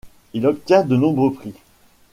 Il obtient de nombreux prix.